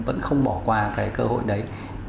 vẫn không bỏ qua cái cơ hội đấy